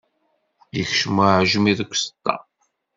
Ikcem uɛejmi deg uzeṭṭa.